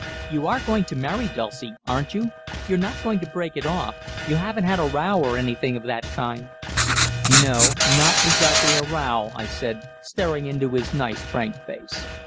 "You are going to marry Dulcie, aren't you? You're not going to break it off? You haven't had a row or anything of that kind" "No, not exactly a row," I said, staring into his nice frank face.